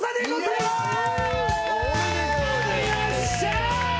よっしゃ！